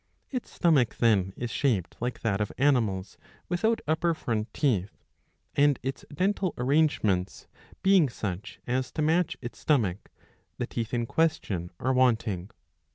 Its stomach, then, is shaped like that of animals without upper front teeth, and, its dental arrangements being such as to match its stomach, the teeth in question are wanting.